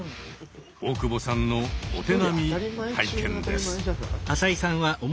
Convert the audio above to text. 大久保さんのお手並み拝見です。